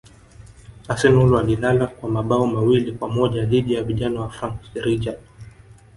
arsenal walilala kwa mabao mawili kwa moja dhidi ya vijana wa frank rijkard